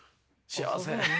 幸せ。